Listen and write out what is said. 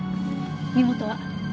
身元は？